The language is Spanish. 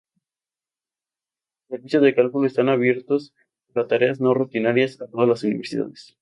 Sus servicios de cálculo están abiertos para tareas no rutinarias a todas las Universidades.